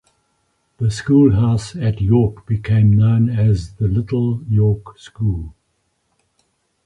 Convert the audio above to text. The schoolhouse at York became known as the Little York School.